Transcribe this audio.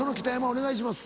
お願いします。